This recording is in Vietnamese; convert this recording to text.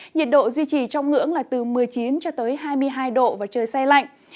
nhiệt độ duy trì trong ngưỡng là từ một mươi chín cho tới hai mươi hai độ và trời say lạnh